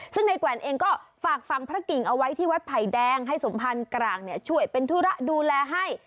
ซึ่งในแกวนเองก็ฝากฝั่งพระกิ่งเอาไว้ที่วัดไผ่แดงให้สมพันธ์กลางช่วยเป็นธุระดูแลให้